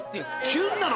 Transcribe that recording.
キュンなの？